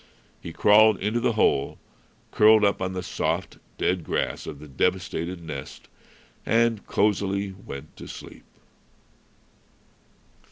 He crawled into the hole, curled up on the soft, dead grass of the devastated nest, and cosily went to sleep.